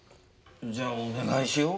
じゃあお願いしようかな。